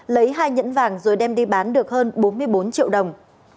lấy hai nhẫn vàng rồi đem đi bán được hơn bốn mươi bốn triệu đồng